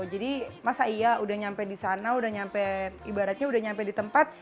jadi masa iya udah nyampe disana udah nyampe ibaratnya udah nyampe di tempat